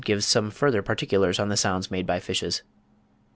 36), gives some further particulars on the sounds made by fishes.)